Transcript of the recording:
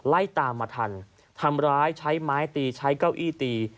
ไล่ตามมาทันทำร้ายใช้ไม้ตีใช้เก้าอี้ตี